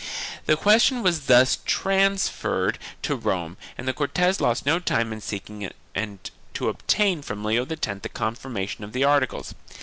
The question was thus transferred to Rome and the Cortes lost no time in seeking to obtain from Leo X the confirmation of the articles.